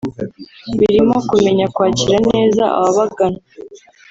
birimo kumenya kwakira neza ababagana